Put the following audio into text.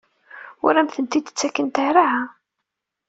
Ur am-tent-id-ttakent ara?